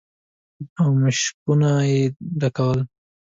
او مشکونه يې ډکول.